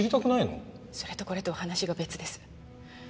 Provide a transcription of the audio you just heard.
それとこれとは話が別です。